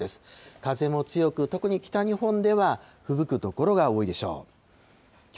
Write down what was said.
風も強く、特に北日本ではふぶく所が多いでしょう。